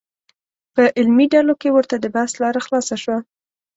په علمي ډلو کې ورته د بحث لاره خلاصه شوه.